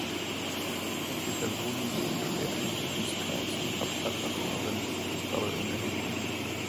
Ob die Personen ihren späteren Wirkungskreis in Kapstadt hatten oder nicht, ist dabei unerheblich.